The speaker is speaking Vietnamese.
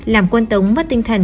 làm quân tống mất tinh thần